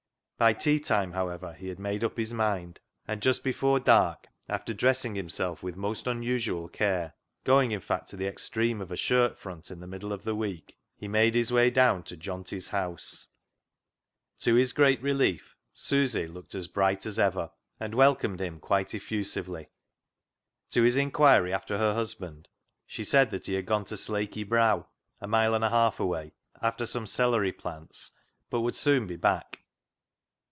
By tea time, how ever, he had made up his mind, and just i84 CLOG SHOP CHRONICLES before dark, after dressing himself with most unusual care, — going in fact to the extreme of a shirt front in the middle of the week, — he made his way down to Johnty's house. To his great relief, Susy looked as bright as ever, and welcomed him quite effusively. To his inquiry after her husband, she said that he had gone to Slakey Brow — a mile and a half away — after some celery plants, but would soon be back.